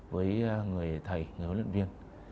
với người thầy người huấn luyện viên